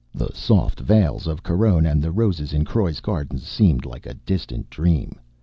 The soft vales of Caronne and the roses in Croy's gardens seemed like a dream.